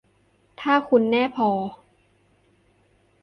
ถ้าคุณแน่พอ